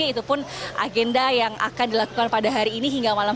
itupun agenda yang akan dilakukan pada hari ini